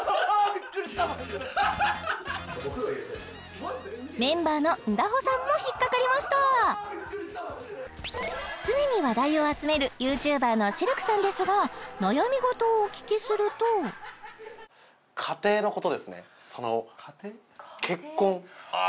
ビックリしたメンバーのンダホさんも引っ掛かりました常に話題を集めるＹｏｕＴｕｂｅｒのシルクさんですが悩み事をお聞きすると家庭のことですね